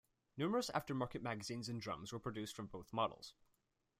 Numerous aftermarket magazines and drums were produced for both models.